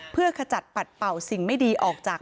เพื่อขจัดปัดเป่าสิ่งไม่ดีออกจาก